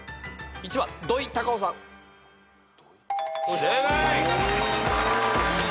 正解。